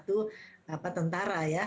di samping sel sel imun lainnya